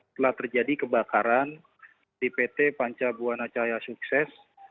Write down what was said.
telah terjadi kebakaran di pt panca buana cahaya sukses